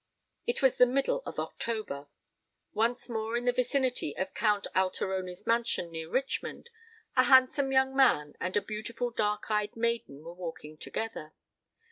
It was the middle of October. Once more in the vicinity of Count Alteroni's mansion near Richmond, a handsome young man and a beautiful dark eyed maiden were walking together.